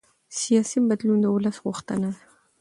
سیاسي بدلون د ولس غوښتنه ده